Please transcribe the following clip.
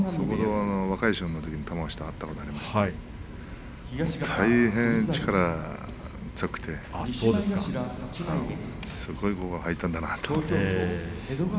若い衆のときにたむろをしていたことがありますと大変力が強くてすごい子が入ったんだなと。